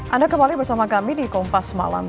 anda kembali bersama kami di kompas semalam